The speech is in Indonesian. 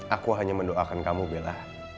aku hanya mendoakan kamu bella